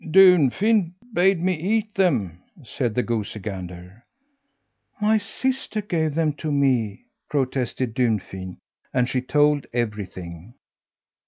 "Dunfin bade me eat them," said the goosey gander. "My sister gave them to me," protested Dunfin, and she told everything.